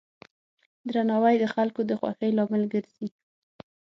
درناوی د خلکو د خوښۍ لامل ګرځي.